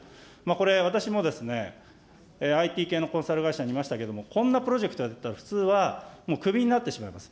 これ、私もですね、ＩＴ系のコンサル会社にいましたけれども、こんなプロジェクトやってたら、普通はもうくびになってしまいます。